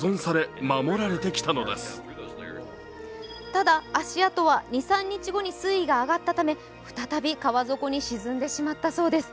ただ、足跡は２３日後に水位が上がったため再び川底に沈んでしまったそうです。